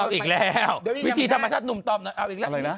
อ้าวอีกแล้ววิธีธรรมชาติหนุ่มตอบอ้าวอีกแล้ว